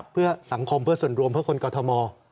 เพื่อสังคมเพื่อส่วนรวมเพื่อคนกรทม